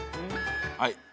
はい。